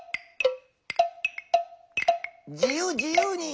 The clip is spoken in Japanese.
自ゆう自ゆうに。